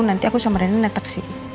nanti aku sama reni netek sih